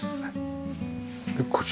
でこちらは？